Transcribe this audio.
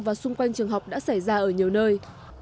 và xung quanh trường học đã xảy ra ở nhiều nơi